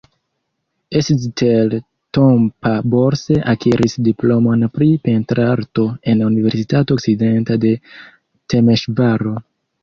Eszter Tompa-Bors akiris diplomon pri pentrarto en Universitato Okcidenta de Temeŝvaro.